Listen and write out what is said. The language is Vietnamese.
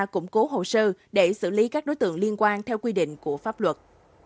củng cố hồ sơ để xử lý các đối tượng liên quan theo quy định của pháp luật